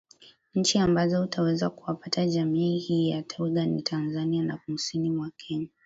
Nchi ambazo utaweza kuwapata jaami hii ya twiga ni Tanzania na Kusini mwa Kenya